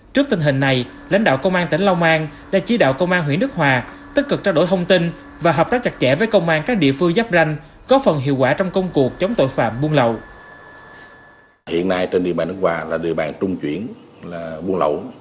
trước tình hình này lãnh đạo công an tỉnh long an đã chỉ đạo công an huyện đức hòa tích cực trao đổi thông tin và hợp tác chặt chẽ với công an các địa phương giáp ranh có phần hiệu quả trong công cuộc chống tội phạm buôn lậu